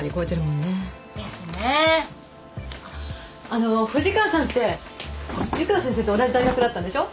あの藤川さんって湯川先生と同じ大学だったんでしょ？